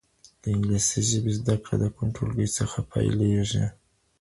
د انګلیسي ژبې زده کړه د کوم ټولګي څخه پیلیږي؟